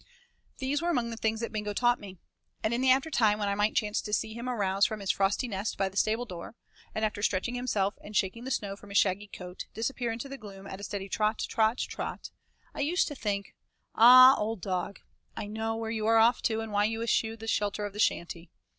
These were among the things that Bingo taught me. And in the after time when I might chance to see him arouse from his frosty nest by the stable door, and after stretching himself and shaking the snow from his shaggy coat, disappear into the gloom at a steady trot, trot, trot, I used to think: "Ahh! old dog, I know where you are off to, and why you eschew the shelter of the shanty.